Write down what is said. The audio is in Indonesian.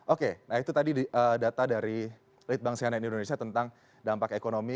oke nah itu tadi data dari litbang sianet indonesia tentang dampak ekonomi